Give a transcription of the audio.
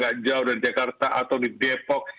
tidak jauh dari jakarta atau di depok